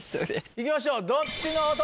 いきましょう。